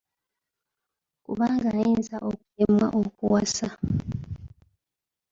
Kubanga ayinza okulemwa okuwasa.